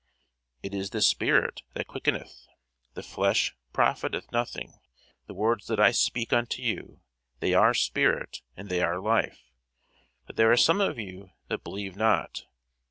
It is the spirit that quickeneth; the flesh profiteth nothing: the words that I speak unto you, they are spirit, and they are life. But there are some of you that believe not.